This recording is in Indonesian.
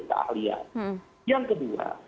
keahlian yang kedua